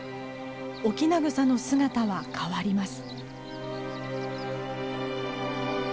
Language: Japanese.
オキナグサの姿は変わります。